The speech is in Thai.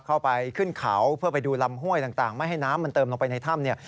เข้าไปขึ้นเขาเพื่อไปดูลำห้วยต่างไม่ให้น้ำมันเติมลงไปในถ้ำเนี่ย